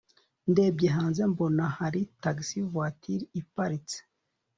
ndebye hanze mbona hari taxi voiture ihaparitse.